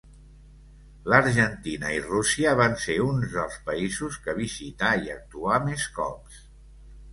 L'Argentina i Rússia van ser uns dels països que visità i actuà més cops.